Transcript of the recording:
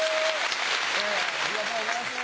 ありがとうございます。